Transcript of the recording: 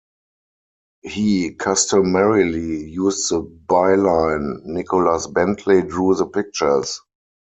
He customarily used the byline "Nicolas Bentley drew the pictures".